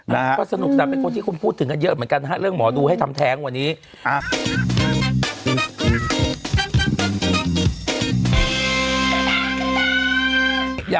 อยากให้ซูมมานี้โต๊ะเราเนี่ยหมดไปจีบห่อแล้วเนี่ย